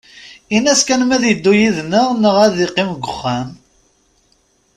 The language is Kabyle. Ini-as kan ma ad iddu id-neɣ neɣ ad iqqim deg uxxam.